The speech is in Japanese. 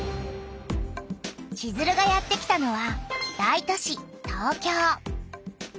チズルがやってきたのは大都市東京。